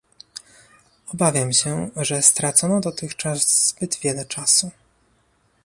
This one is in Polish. Obawiam się, że stracono dotychczas zbyt wiele czasu